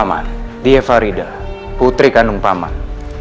paman dia faridah putri kandung paman